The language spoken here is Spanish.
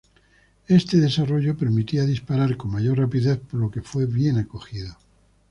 Este desarrollo permitía disparar con mayor rapidez, por lo que fue bien acogido.